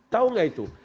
tau gak itu